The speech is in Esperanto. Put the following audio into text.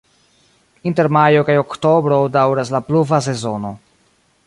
Inter majo kaj oktobro daŭras la pluva sezono.